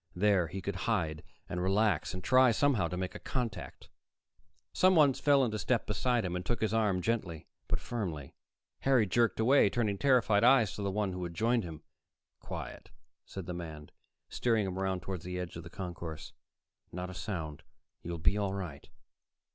There he could hide and relax and try, somehow, to make a contact. Someone fell into step beside him and took his arm gently but firmly. Harry jerked away, turning terrified eyes to the one who had joined him. "Quiet," said the man, steering him over toward the edge of the concourse. "Not a sound. You'll be all right."